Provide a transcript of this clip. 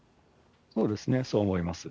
そうですね、そう思います。